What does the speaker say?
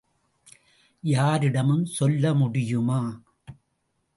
யாரிடமும் சொல்ல முடியுமா?